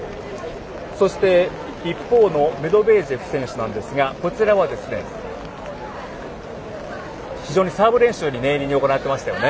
そして、一方のメドベージェフ選手なんですがこちらは非常にサーブ練習を念入りに行っていました。